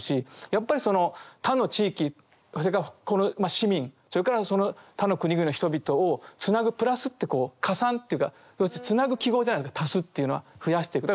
やっぱりその他の地域それからこの市民それからその他の国々の人々をつなぐ「プラス」ってこう加算というかつなぐ記号じゃないですか足すっていうのは増やしていく。